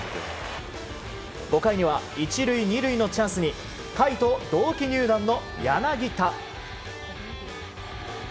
５回には１塁２塁のチャンスに甲斐と同期入団の柳田。